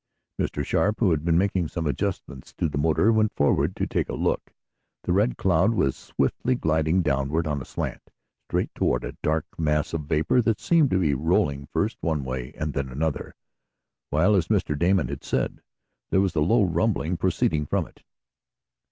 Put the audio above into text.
Mr. Sharp, who had been making some adjustments to the motor went forward to take a look. The Red Cloud was swiftly gliding downward on a slant, straight toward a dark mass of vapor, that seemed to be rolling first one way, and then another, while as Mr. Damon had said, there was a low rumbling proceeding from it.